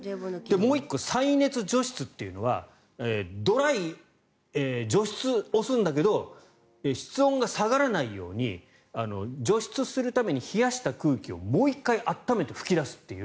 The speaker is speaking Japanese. もう１個、再熱除湿というのは除湿を押すんだけど室温が下がらないように除湿するために冷やした空気をもう一回暖めて吹き出すという。